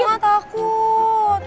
gak mau aku takut